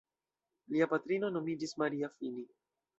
Lia patrino nomiĝis Maria Fini.